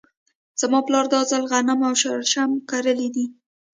زما پلار دا ځل غنم او شړشم کرلي دي .